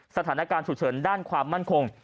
สถานการณ์ฉุกเฉินด้านความมั่นคง